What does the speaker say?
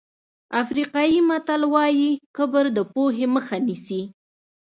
افریقایي متل وایي کبر د پوهې مخه نیسي.